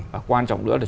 và quan trọng nữa là